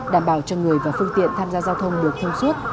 đảm bảo cho người và phương tiện tham gia giao thông được thông suốt